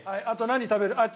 あと何食べる？